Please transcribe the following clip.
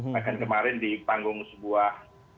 bahkan kemarin di panggung sebuah